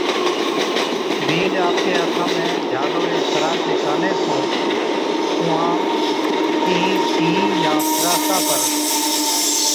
بِينڏَ آپڪي ھٿا ۾ جھالوڙي سران چي ڪاني سُون اُونھان تينھين T يان ڪِراسا پر